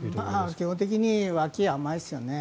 基本的に脇が甘いですよね。